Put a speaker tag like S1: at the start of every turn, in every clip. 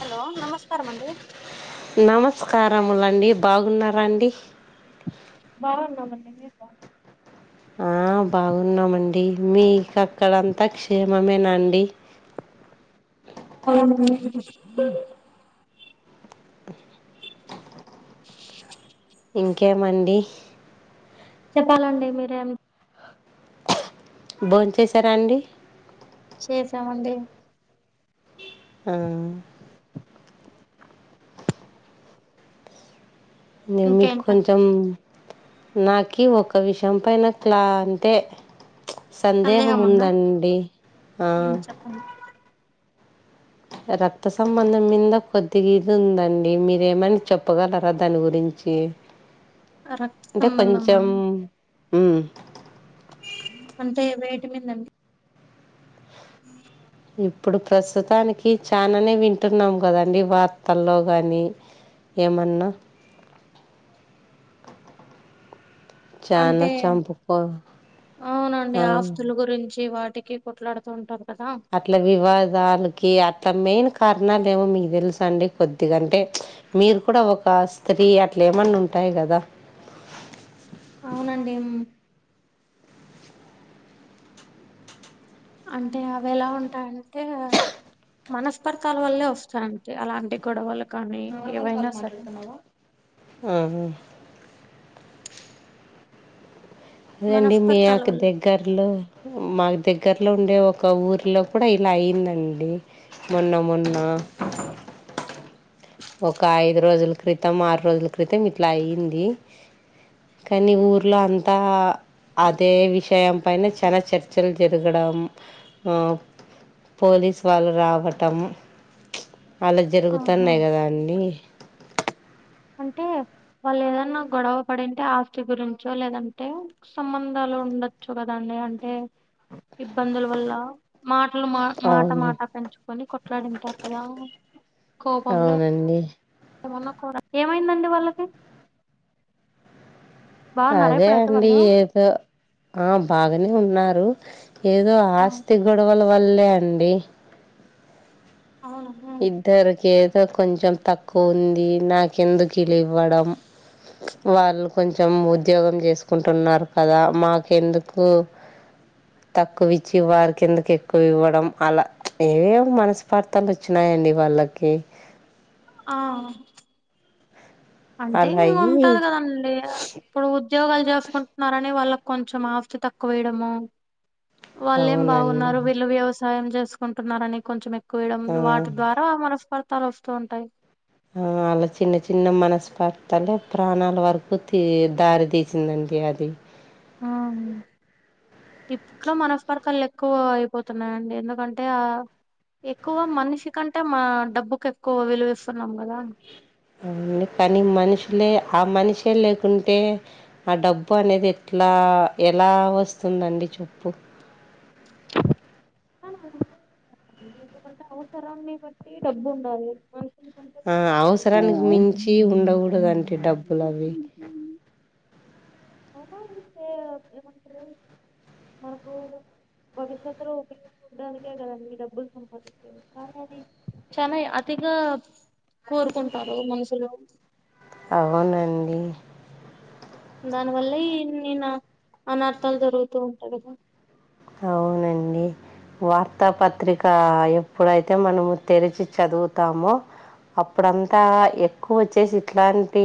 S1: Hello నమస్కారం అండి
S2: నమస్కారములండి బాగున్నారాండి
S1: బాగునం అండి మీరు బాగున్నారా
S2: ఆ బాగున్నామండి మీక అక్కడంతా క్షేమమేనా అండి
S1: అవు
S2: ఇంకేమండి
S1: చెప్పాలండి మీరేం
S2: భోన్ చేశారా అండి
S1: చేసామండి
S2: ఆ నేను మీకు
S1: ఇంకేంటండి
S2: కొంచెం నాకి ఒక విషయం పైన క్లా అంతే సందేహం ఉందండి
S1: ఉమ్ చెప్పండి
S2: రక్త సంబంధం మింద కొద్దిగ ఇది ఉందండి మీరేమైన చెప్పగలరా దాని గురించి చి
S1: రక్త
S2: అంటే
S1: సంబంధమా
S2: కొంచం ఉమ్
S1: అంటే వేటి మింద అండి ఆ
S2: ఇప్పుడు ప్రస్తుతానికి చాననే వింటున్నాం కదండి వార్తల్లో కానీ ఏమన్నా
S1: అంటే
S2: చానా చంపుకో
S1: అవునండి
S2: ఆ
S1: ఆస్తుల గురించి వాటి టికి కొట్లాడుతూ ఉంటారు కదా
S2: అట్లా వివాదానికి అట్ల మెయిన్ కారణాలు ఏమో మీకు తెలుస అండి కొద్దిగంటే మీరు కూడా ఒక స్త్రీ అట్లా ఏమన్నా ఉంటే అంటాయి కదా
S1: అవునండి మ్మ్ అంటే అవి ఎలా ఉంటాయంటే మనస్పర్థాల వల్లే వస్తయంటే అలాంటి గొడవలు కానీ
S2: నార్మర్
S1: ఏవైనా
S2: కాల్
S1: సరే
S2: మాట్లాడ్తనావా అదండి మీ
S1: మనస్పర్ధాల
S2: యొక్క
S1: వల్ల
S2: దగ్గర్లో మాకు దగ్గర దగ్గర్లో ఉండే ఒక ఊరిలో కూడా ఇలా అయిందండి మొన్న మొన్నా ఒక ఐదు రోజుల క్రితం ఆరు రోజుల క్రితం ఇట్లా అయ్యింది కానీ ఊర్లో అంతా అదే విషయం పైన చాలా చర్చలు జరగడం పోలీసు వాళ్ళు రావటమ్ అలా
S1: ఆహా
S2: జరుగుతున్నాయి కదా అండి
S1: అంటే వాళ్ళు ఏదన్నా గొడవ పడింటే ఆస్తి గురించో లేదంటే సంబంధాల్ ఉండొచ్చు కదండి అంటే ఇబ్బందుల వల్ల మా అట్లు మా మాట
S2: అవును
S1: మాట పెంచుకొని కొట్లాడింటారు కదా కోపంలో
S2: అవునండి
S1: ఏమన్నా కూరా ఏమైందండి వాళ్ళకి బాగున్నారా
S2: అదే
S1: ఇప్పుడైతే
S2: అండి
S1: వాళ్ళు
S2: ఏదో ఆ బాగనే ఉన్నారు ఏదో
S1: ఆ,
S2: ఆస్తి గొడవల వల్లే అండి
S1: అవును ఉమ్.
S2: ఇద్దరికి ఏదో కొంచెం తక్కువ ఉంది నాకెందుకు ఇలు ఇవ్వడం వాళ్ళు కొంచెం ఉద్యోగం చేసుకుంటున్నారు కదా మాకెందుకు తక్కువ ఇచ్చి వారి కిందకి ఎక్కువ ఇవ్వడం అలా ఏవే మనస్పర్తాలు వచ్చినయండి వాళ్ళకి
S1: ఆ అంటే
S2: అలా
S1: ఇగ
S2: అయ్యి
S1: ఉంటది కదండి ఇప్పుడు ఉద్యోగాలు చేసుకుంటున్నారని వాళ్ళకి కొంచెం ఆస్తి తక్కువేయడము వాళ్ళేం
S2: అవునండి
S1: బాగున్నారు వీళ్ళు వ్యవస్ సాయం చేసుకుంటున్నారని కొంచెం ఎక్కువ ఇయ్యడం
S2: ఆ
S1: వాటి ద్వారా మనస్ఫర్తాలు వస్తూ ఉంటాయి
S2: ఆ అలా చిన్న చిన్న మనస్పాతాల ప్రాణాల వరకు తీ దారి తీసిందండి ఇండియాది
S1: ఆ హ ఇప్పుట్లో మనసర్పతలు ఎక్కువ అయిపోతున్నాయండి ఎందుకంటే ఆ ఎక్కువ మనిషి కంటే మా డబ్బుకు ఎక్కువ విలువిస్తున్నాం కదా
S2: అవు కానీ మనుషులే ఆ మనిషే లేకుంటే ఆ డబ్బు అనేది ఎట్ లా ఎలా వస్తుందండి చెప్పు
S1: కానీ ఎందుకంటే అవసరాన్ని బట్టి డబ్బు ఉండాలి మని
S2: ఆ అవసరానికి మించి ఉండకూడదంటే డబ్బులు అవి
S1: ఎమంట్రు భవిష్యత్ లో ఉపయో చూడ్డానికే కదండి డబ్బులు సంపాదించేది కానీ అది చాలా అతిగా కోరుకుంటారు మనుషులు
S2: అవునండి
S1: దానివల్ల ఇన్నిన అనర్థాలు జరుగుతూ ఉంటాయి కదా
S2: అవునండి వార్తా పత్రిక ఎప్పుడైతే మనము తెరిచి చదువుతామో అప్పుడంతా ఎక్కువోచ్చేసి ఇట్లాంటి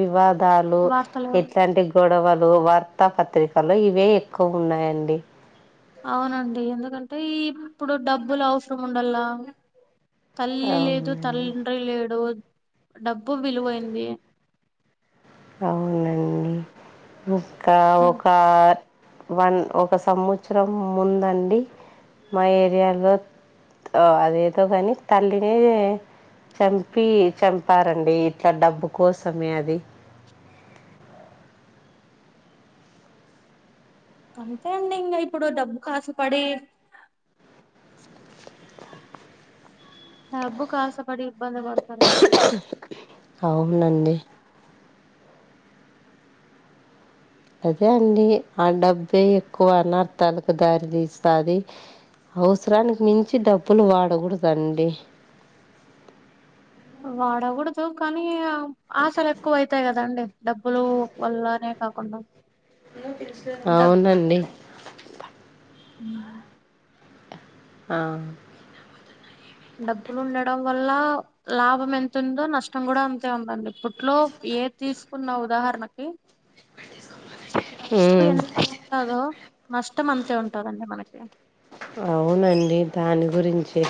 S2: వివాద్ దాలు
S1: వార్తలు
S2: ఇట్లాంటి గొడవలు వర్త్ తా పత్రికల్లో ఇవే ఎక్కువున్నాయండి.
S1: అవునండి ఎందుకంటే ఇప్పుడు డబ్బులు అవసరం ఉండల్ల తల్లి లేదు,
S2: అవునండి.
S1: తండ్రి లేడు. డబ్బు విలువైంది.
S2: అవునండి ఇంకా
S1: ఆ,
S2: ఒక వన్ ఒక సంవత్సరం ముందండి మా ఏరియాలో ఆ అదేదో కాని తల్లినే చంపి చంపారండి ఇట్ల డబ్బు కోసమే అది.
S1: అంతే అండి ఇంక ఇప్పుడు డబ్బుకాసపడి డబ్బుకి ఆసపడి ఇబ్బంది పడు
S2: అవునండి అదే అండి ఆ డబ్బే ఎక్కువ అనర్థాలకు దారి తీస్తాది. అవసరానికి మించి డబ్బులు వాడకూడదండి.
S1: వాడకూడదు కానీ, ఆశలు ఎక్కువ అవుతాయి కదండి! డబ్బులు వల్లనే. కాకుండ
S2: అవునండి
S1: మ్
S2: ఆ
S1: డబ్బులు ఉండడం వల్ల లాభం ఎంతుందో నష్టం కూడ అంతే ఉండడి ఇప్పట్లో ఏది తీసుకున్నా ఉదాహరణకి ఖర్చు
S2: హ్మ్.
S1: ఎంత ఉంటాదో నష్టం అంతే ఉంటాదండి మనకి.
S2: అవునండి దాని గురించే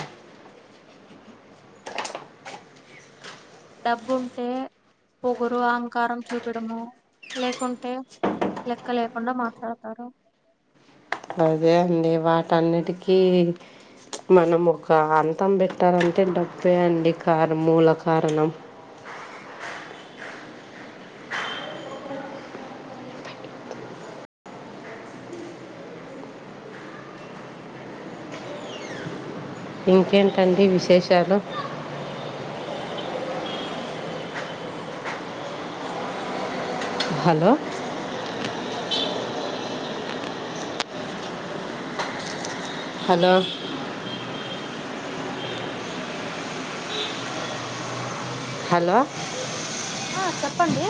S1: డబ్బుంటే పొగురు, అహంకారం చూపడము లేకుంటే లెక్క లేకుండ మాట్లాడతారు.
S2: అదే అండి వాటన్నిటికీ మనం ఒక అంతం పెట్టాలంటే డబ్బే అండి కార మూలకారణం ఇంకేంటండి విశేషాలు? హలో హలో హలో
S1: ఆ చెప్పండి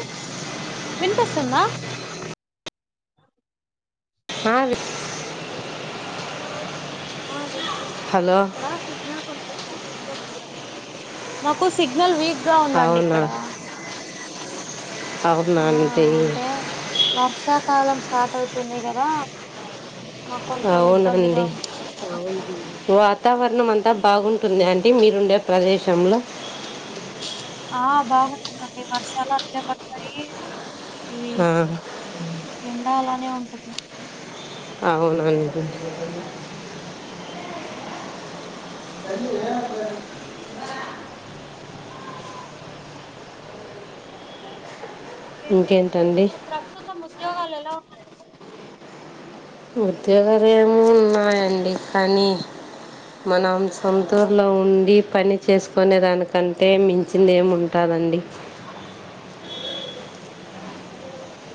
S1: వినిపిస్తుందా?
S2: ఆ వి
S1: ఆ వినిపిస్తుంది
S2: హలో!
S1: ఇక్కడ సిగ్నల్ కొంచము వీక్ మాకు సిగ్నల్ వీక్ గా ఉందండి
S2: అవునా!
S1: ఇక్కడ.
S2: అవున్నా
S1: ఆ
S2: నీకి
S1: కాలం స్టార్ట్ అవుతుంది కదా! మాకు కొంచెం ఇబ్బందిగా
S2: అవునండి.
S1: ఉంది అవునండి
S2: వాతావరణం అంతా బాగున్ టుందా అండి మీరుండే ప్రదేశంలో?
S1: ఆ బాగుంటుందండి వర్షాలు అట్లే పడతాయి ఇవి
S2: ఆ,
S1: ఎండా అలానే ఉంటుంది
S2: అవునండి [unintelligible]
S1: ఇంకేంటి
S2: ఇంకేంటండి
S1: ఇప్పుడు ప్రస్తుతం ఉద్యోగాలు ఎలా ఉన్నాయండి
S2: ఉద్యోగాలు ఏమో ఉన్నాయండి కానీ మనం సొంతూరులో ఉండి పని చేసుకునే దానికంటే మించింది ఏముంటాది అండి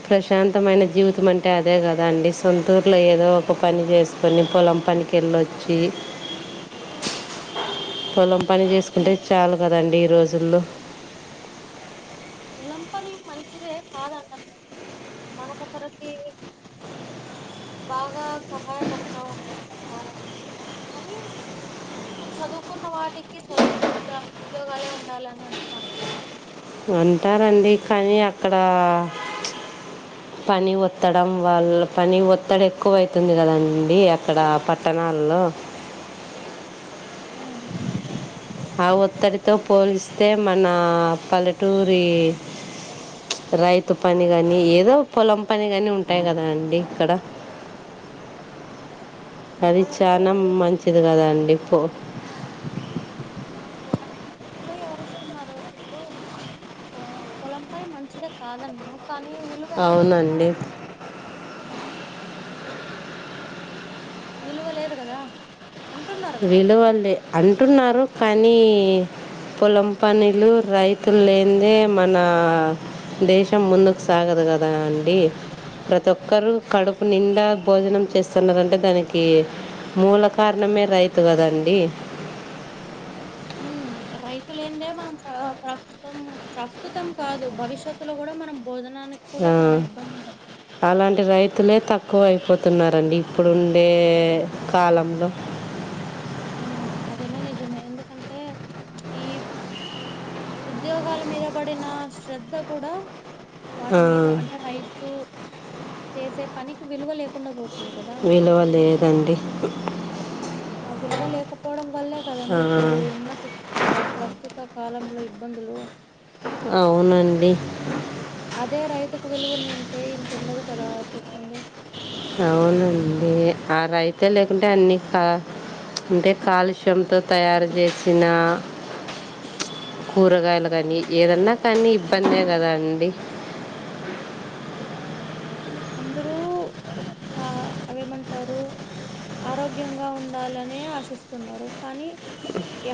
S2: ప్రశాంతమైన జీవితం అంటే అదే కదా అండి సొంతూరులో ఏదో ఒక పని చేసుకుొని పొలం పనికి ఎళ్ళొచ్చి పొలం పని చేసుకుంటే చాలు కదండి రోజుల్లో
S1: పోలం పని మంచిదే కాదండమ్ లెదు మనకొకరికి బాగా సహాయపడతా ఉంటుంది సాధన ఎత్తడం కానీ ఇప్పుడు చదువుకున్న వాటికి చదువుకున్న ఉద్యోగాలే ఉండాలని అంటున్నారు కదా
S2: అంటారండి కానీ అక్కడ పని ఒత్తడం వల్ల పని ఒత్తడి ఎక్కువయితుంది కదండి అక్కడ పట్టణాల్లో
S1: ఉమ్
S2: ఆ ఒత్తిడితో పోలిస్తే మన పల్లెటూరి రైతు పని కాని ఏదో పొలం పని కాని ఉంటాయి కదా అండి ఇక్కడ అది
S1: ఉంటాయండి
S2: చానా
S1: అదే
S2: మంచిది కదా అండి పో
S1: వా ఇట్లో ఎవరిస్తున్నారు ఇప్పుడు పొలం పని మంచిదే కాదన్ను కానీ విలువ
S2: అవునండి
S1: ఎక్కడిస్తున్నారండి విలువ లేదు కదా అంటున్నారు కదా
S2: విలువలే అంటున్నారు కానీ పొలం పనులు రైతులు లేనిదే మన దేశం ముందుకు సాగదు కదా అండి ప్రతి ఒక్కరు కడుపు నిండా భోజనం చేస్తున్నారన్టే దానికి మూల కారణమే రైత్ తు కదా అండి
S1: రైతులు ఏందే మనం ప్ర ప్రస్తుతం ప్రస్తుతం కాదు భవిష్యత్తులో కూడా మనం భోజనానికి కూడా
S2: ఆ
S1: చాలా ఇబ్బందులు పడతాం
S2: అలాంటి రైతులే తక్ క్కువ అయిపోతున్నారండి ఇప్పుడుండే కాలంలో
S1: ఆ అదేమో నిజమే ఎందుకంటే ఈ ఉద్యోగాల మీద పడిన శ్రద్ధ కూడా
S2: ఆ,
S1: వాటి మీద అంటే రైతు చేసే పనికి విలువ లేకుండా పోతు
S2: విలువ లేదండి
S1: ఆ విలువ లేకపోవడం వల్లే కదండి
S2: ఆ,
S1: ఇప్పుడు ఉన్న ప్ర ప్రస్తుత కాలంలో ఇబ్బందులు
S2: అవునండి
S1: అదే రైతుకు విలువునింటే ఇంతండదు కదా చెప్పండి
S2: అవునండి ఆ రైతే లేకుంటే అన్ని కా అంటే కాలుష్యంతో తయారు చేసిన కూరగాయలు కానీ ఏదన్నా కానీ ఇబ్బందే కదా అండి
S1: అందరూ ఒక అవేమంటారు ఆరోగ్యంగా ఉండాలనే ఆశిస్తున్నారు కానీ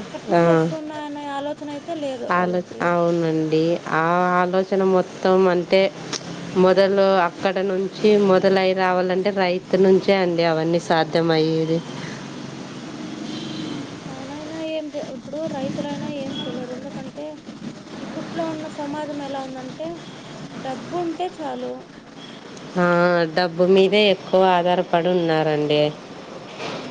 S1: ఎక్కడి
S2: ఆ
S1: నుండొస్తున్నాయనే ఆలోచన అయితే లేదు
S2: ఆలోచ
S1: వాళ్ళకి.
S2: అవునండి ఆ ఆలో చన మొత్తం అంటే మొదలు అక్కడ నుంచి మొదలయి రావాలంటే రైతు నుంచే అండి అవన్నీ సాధ్యమ మయేది
S1: తనైనా ఏం చే ఇప్పుడు రైతులైనా ఏం చెయలేరు ఎందుకంటే ఇప్పట్లో ఉన్న సమాజం ఎలా ఉందంటే డబ్బు ఉంటే చాలు
S2: ఆ డబ్బు మీదే ఎక్కువ ఆధారపడి ఉన్నారండి
S1: హ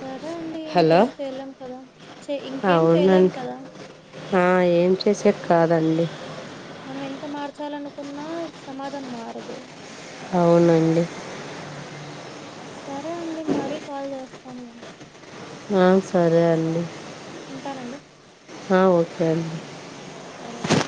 S1: సరే అండి
S2: హలో
S1: ఇంకేం చెయలేం కదా చే ఇంకేం చెయలేం
S2: అవునండి
S1: కదా
S2: ఆ ఏం చేసేక్ కాదండి
S1: మనం ఎంత మార్చాలనుకున్నా సమాజం మారదు
S2: అవునండి
S1: సరే అండి మరీ కాల్ చేస్తానండి
S2: ఆ సరే అండి
S1: ఉంటానండి
S2: ఆ ఓకే అండి
S1: సరే బాయ్